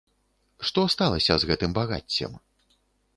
Што сталася з гэтым багаццем?